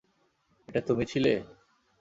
এটা তুমি ছিলে?